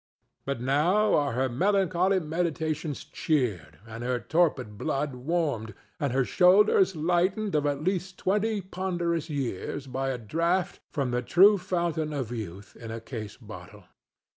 But now are her melancholy meditations cheered and her torpid blood warmed and her shoulders lightened of at least twenty ponderous years by a draught from the true fountain of youth in a case bottle.